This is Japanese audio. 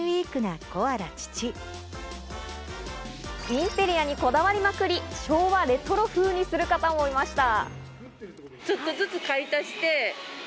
インテリアにこだわりまくり、昭和レトロ風にする方もいました。